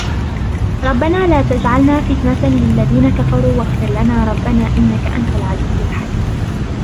ربنا لا تجعلنا فتنة للذين كفروا واغفر لنا ربنا إنك أنت العزيز الحكيم